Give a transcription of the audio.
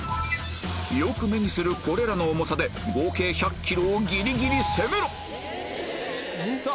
よく目にするこれらの重さで合計１００ｋｇをギリギリ攻めろ！